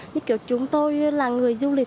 như kiểu chúng tôi là người du lịch